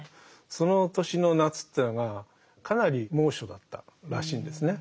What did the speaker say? その年の夏というのがかなり猛暑だったらしいんですね。